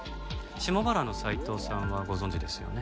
下原の斉藤さんはご存じですよね？